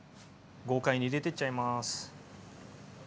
豪快に入れてっちゃいます。